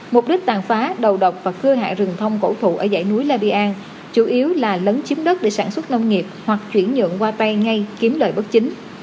mục đích tàn phá đầu độc và cưa hạ rừng thông cổ thụ ở dãy núi labian chủ yếu là lấn chiếm đất để sản xuất nông nghiệp hoặc chuyển nhượng qua tay ngay kiếm lời bất chính